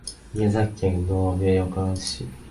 宮崎県延岡市